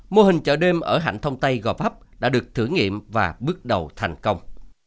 mô hình chợ đêm ở hạnh thông tây gò pháp đã được thử nghiệm và bước đầu thành công